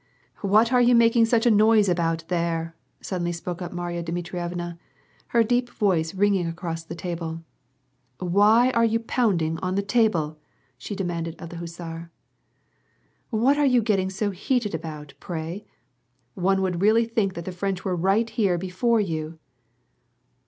"What are you making such a noise about tht^re," suddenly spoke up Marya Dmitrievna, her deep voice ringing across the table. " Why are you pounding on the table ?" she demanded of the hussar. "What are you getting so heated about, pray ? One would really think that the French were right here before you!"